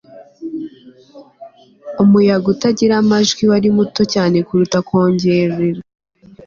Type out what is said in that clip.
Umuyaga utagira amajwi wari muto cyane kuruta kwongorera